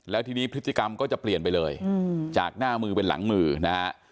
แล้วทีนี้พฤติกรรมก็จะเปลี่ยนไปเลยจากหน้ามือเป็นหลังมือนะฮะ